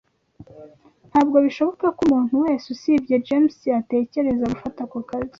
Ntabwo bishoboka ko umuntu wese usibye James yatekereza gufata ako kazi.